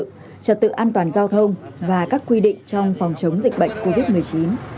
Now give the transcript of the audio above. trật tự an toàn giao thông và các quy định trong phòng chống dịch bệnh covid một mươi chín